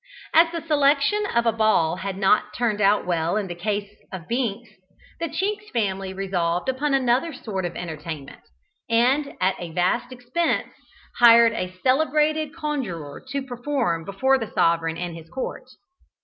As the selection of a ball had not turned out well in the case of Binks, the Chinks family resolved upon another sort of entertainment, and at vast expense hired a celebrated conjuror to perform before the sovereign and his court.